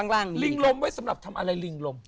ลิงลมไว้สำหรับทำอะไรลิงลม